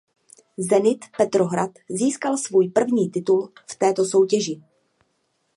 Zenit Petrohrad získal svůj první titul v této soutěži.